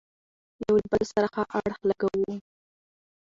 يو له بل سره ښه اړخ لګوو،